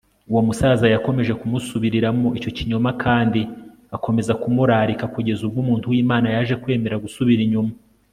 Uwo musaza yakomeje kumusubiriramo icyo kinyoma kandi akaomeza kumurarika kugeza ubwo umuntu wImana yaje kwemera gusubira inyuma